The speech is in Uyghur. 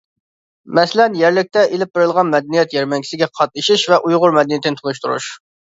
مەسىلەن، يەرلىكتە ئېلىپ بېرىلغان مەدەنىيەت يەرمەنكىسىگە قاتنىشىش ۋە ئۇيغۇر مەدەنىيىتىنى تونۇشتۇرۇش.